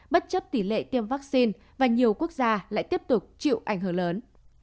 bất chấp tỷ lệ tiêm vaccine và nhiều quốc gia lại tiếp tục chịu ảnh hưởng lớn